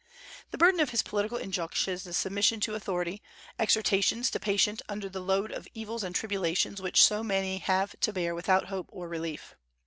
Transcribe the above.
The burden of his political injunctions is submission to authority, exhortations to patience under the load of evils and tribulations which so many have to bear without hope of relief.